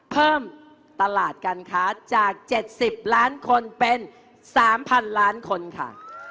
เพิ่มตลาดการค้าจาก๗๐ล้านคนเป็น๓๐๐๐ล้านคนค่ะ